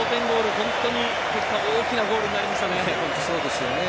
本当に大きなゴールになりましたね。